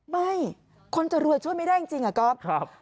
ไม่คนจะรวยช่วยไม่ได้จริงอะก๊อฟ